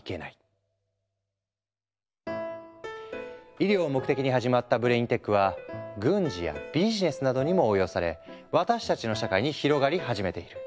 医療を目的に始まったブレインテックは軍事やビジネスなどにも応用され私たちの社会に広がり始めている。